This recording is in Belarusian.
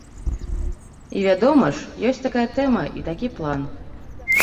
І, вядома ж, ёсць такая тэма і такі план.